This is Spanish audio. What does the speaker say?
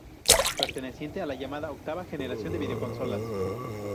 Perteneciente a la llamada octava generación de videoconsolas.